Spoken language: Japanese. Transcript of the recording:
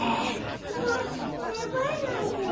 うん芽生えないよ。